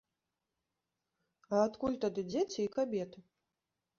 А адкуль тады дзеці і кабеты?